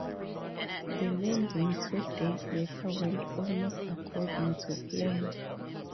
The landing two days later went almost according to plan.